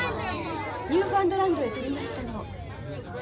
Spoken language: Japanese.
ニューファンドランドへ飛びましたの。